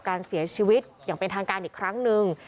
การเสียชีวิตอย่างเป็นทางการอีกครั้งหนึ่ง